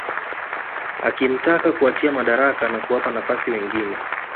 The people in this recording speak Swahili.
Akimtaka kuachia madaraka na kuwapa nafasi wengine